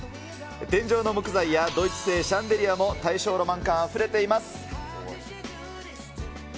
天井の木材やドイツ製シャンデリアも大正ロマン感あふれています。